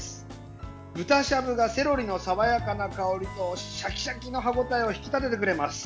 豚しゃぶがセロリの爽やかな香りとシャキシャキの歯応えを引き立ててくれます。